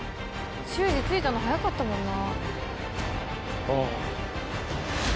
秀司着いたの早かったもんな。